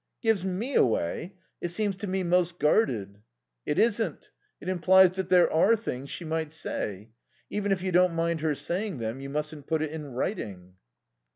"Gives me away? It seems to me most guarded." "It isn't. It implies that there are things she might say. Even if you don't mind her saying them you mustn't put it in writing."